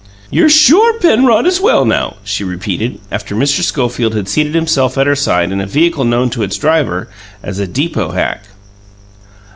"You're SURE Penrod is well now?" she repeated, after Mr. Schofield had seated himself at her side in a vehicle known to its driver as a "deepoe hack".